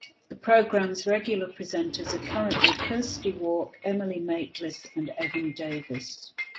The programme's regular presenters are currently Kirsty Wark, Emily Maitlis, and Evan Davis.